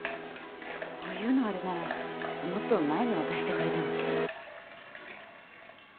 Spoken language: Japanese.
こういうのあるならもっと前に渡してくれても。